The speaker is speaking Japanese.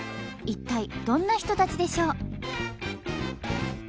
一体どんな人たちでしょう？